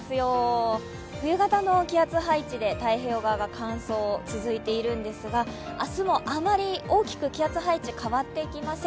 冬型の気圧配置で太平洋側が乾燥が続いているんですが、明日もあまり大きく気圧配置変わっていきません。